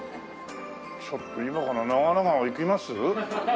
ちょっと今から長良川行きます？